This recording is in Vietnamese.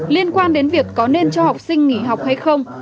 liên quan đến việc có nên cho học sinh nghỉ học hay không